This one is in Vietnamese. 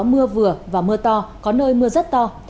mưa vừa và mưa to có nơi mưa rất to